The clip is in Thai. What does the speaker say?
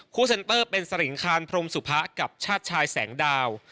เซ็นเตอร์เป็นสริงคารพรมสุพะกับชาติชายแสงดาว